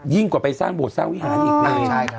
ยิ่งกว่าไปสร้างโบสถ์ซ่าขวิหารอีกเลย